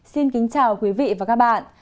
xin kính chào quý vị và các bạn